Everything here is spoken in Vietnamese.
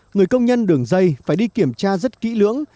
người công nhân đường dây phải đi kiểm tra rất kỹ lưỡng